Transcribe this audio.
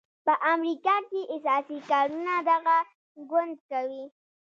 په امریکا کې اساسي کارونه دغه ګوند کوي.